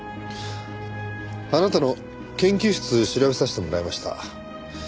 あなたの研究室調べさせてもらいました。